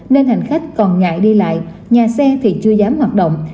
nên hành khách còn ngại đi lại nhà xe thì chưa dám hoạt động